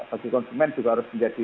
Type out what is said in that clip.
bagi konsumen juga harus menjadi